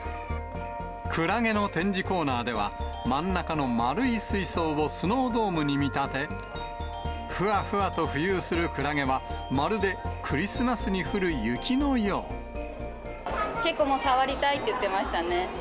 クラゲの展示コーナーでは、真ん中の丸い水槽をスノードームに見立て、ふわふわと浮遊するクラゲは、結構、触りたいって言ってましたね。